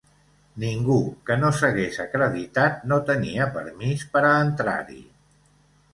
Ningú que no s’hagués acreditat no tenia permís per a entrar-hi.